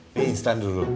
nih instan dulu